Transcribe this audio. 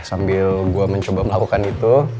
sambil gue mencoba melakukan itu